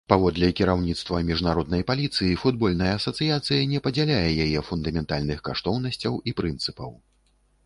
Паводле кіраўніцтва міжнароднай паліцыі, футбольная асацыяцыя не падзяляе яе фундаментальных каштоўнасцяў і прынцыпаў.